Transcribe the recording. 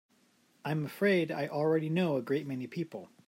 I'm afraid I already know a great many people.